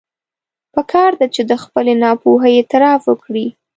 پکار ده چې د خپلې ناپوهي اعتراف وکړي.